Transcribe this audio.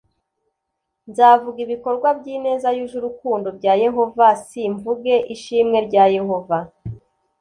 nzavuga ibikorwa by ineza yuje urukundo bya yehova c mvuge ishimwe rya yehova